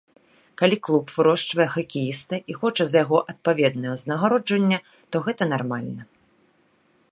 Калі клуб вырошчвае хакеіста і хоча за яго адпаведнае ўзнагароджанне, то гэта нармальна.